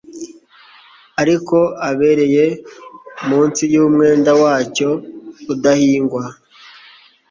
Ariko abereye munsi yumwenda wacyo udahingwa